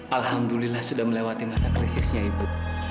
alhamdulillah sudah melewati masa krisisnya ibu